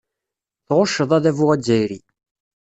Tɣucceḍ adabu azzayri.